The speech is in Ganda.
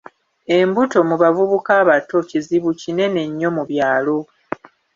Embuto mu bavubuka abato kizibu kinene nnyo mu byalo.